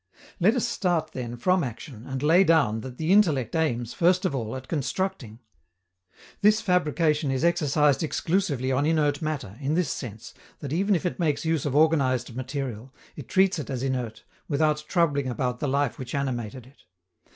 Let us start, then, from action, and lay down that the intellect aims, first of all, at constructing. This fabrication is exercised exclusively on inert matter, in this sense, that even if it makes use of organized material, it treats it as inert, without troubling about the life which animated it.